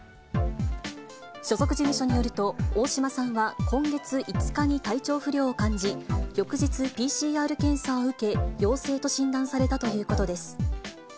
所属事務所によると、大島さんは今月５日に体調不良を感じ、翌日、ＰＣＲ検査を受け、陽性と診断されたということです。